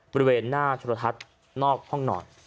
บริเวณหน้าโทรทัศน์นอกห้องนอน